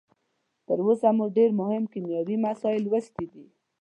تر اوسه مو ډیر مهم کیمیاوي مسایل لوستلي دي.